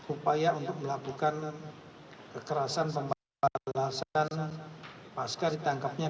upaya untuk melakukan kekerasan pembalasan pasca ditangkapnya